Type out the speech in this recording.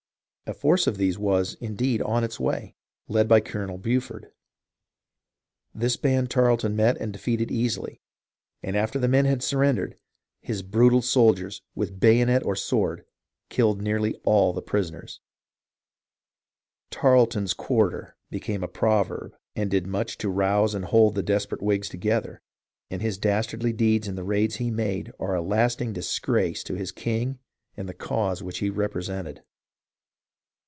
A force of these was, indeed, on its way, led by Colonel Buford. This band Tarleton met and defeated easily, and after the men had surrendered, his brutal soldiers, with bayonet or sword, killed nearly all the prisoners. " Tarleton's quar ter" became a proverb and did much to rouse and hold the desperate Whigs together, and his dastardly deeds in the raids he made are a lasting disgrace to his king and the cause he represented.